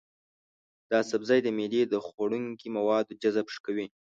دا سبزی د معدې د خوړنکي موادو جذب ښه کوي.